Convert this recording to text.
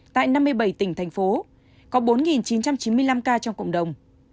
tại năm mươi bảy tỉnh thành phố có bốn chín trăm chín mươi năm ca trong cộng đồng